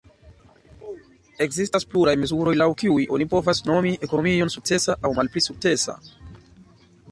Ekzistas pluraj mezuroj, laŭ kiuj oni povas nomi ekonomion sukcesa aŭ malpli sukcesa.